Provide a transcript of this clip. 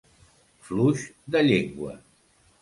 Fluix de llengua.